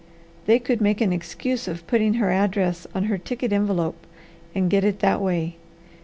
They could make an excuse of putting her address on her ticket envelope, and get it that way.